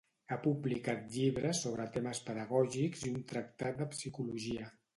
Ha publicat llibres sobre temes pedagògics i un tractat de Psicologia.